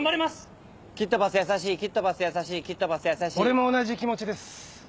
俺も同じ気持ちです。